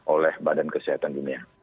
oleh badan kesehatan dunia